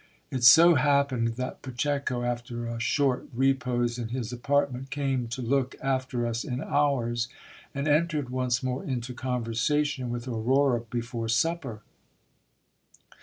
It so happened that Pacheco, after a short repose in his apartment, came to look after us in ours, and entered once more into conversation with Aurora be fore supper.